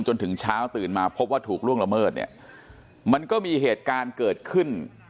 จนถึงเช้าตื่นมาพบว่าถูกล่วงละเมิดเนี่ยมันก็มีเหตุการณ์เกิดขึ้น